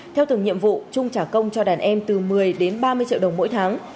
theo từng nhiệm vụ trung trả công cho đàn em từ một mươi đến ba mươi triệu đồng mỗi tháng